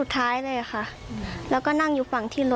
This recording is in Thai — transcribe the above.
ตอนนั้นน